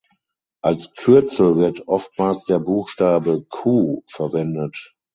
Als Kürzel wird oftmals der Buchstabe „Q“ verwendet.